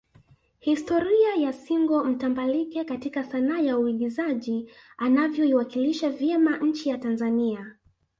historia ya single mtambalike katika sanaa ya uingizaji anavyoiwakilisha vyema nchi ya Tanzania